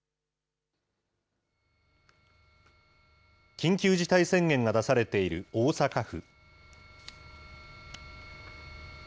緊急事態宣言が出されている大阪府。